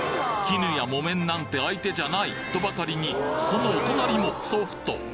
「絹」や「木綿」なんて相手じゃない！とばかりにそのお隣も「ソフト」！